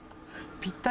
ぴったり？